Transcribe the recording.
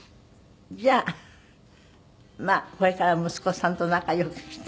じゃあまあこれから息子さんと仲良くして。